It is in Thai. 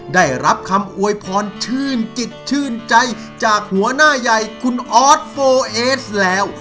ได้รับคำอวยพรชื่นจิตชื่นใจจากหัวหน้าใหญ่คุณออสโฟเอสแล้ว